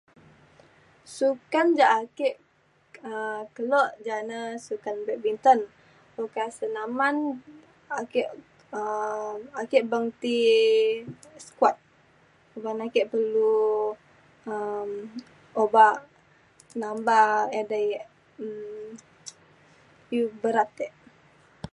sukan ja ake um kelo ja ne sukan badminton oka senaman ake um ake bang ti squat ban ake perlu um obak nambah edei ia' um iu' berat tek